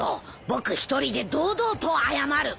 僕一人で堂々と謝る。